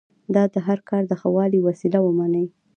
دا د کار د ښه والي وسیله ومني.